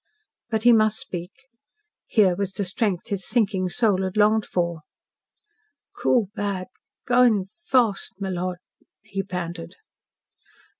But he must speak. Here was the strength his sinking soul had longed for. "Cruel bad goin' fast m' lord," he panted.